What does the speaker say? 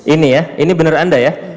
ini ya ini benar anda ya